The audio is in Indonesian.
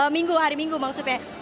minggu hari minggu maksudnya